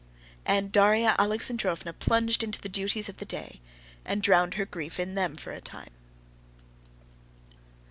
And Darya Alexandrovna plunged into the duties of the day, and drowned her grief in them for a time.